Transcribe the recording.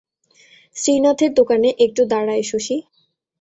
শ্রীনাথের দোকানে একটু দাড়ায় শশী।